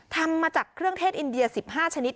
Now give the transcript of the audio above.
ทำมาจากเครื่องเทศอินเดีย๑๕ชนิด